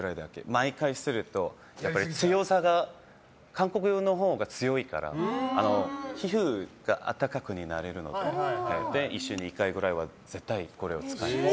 毎回すると、強さが韓国用のほうが強いから皮膚が温かくなるので１週に１回ぐらいは絶対使います。